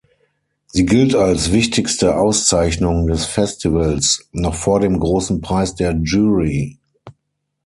Sie gilt als wichtigste Auszeichnung des Festivals, noch vor dem Großen Preis der Jury.